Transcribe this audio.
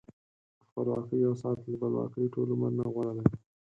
د خپلواکۍ یو ساعت له بلواکۍ ټول عمر نه غوره دی.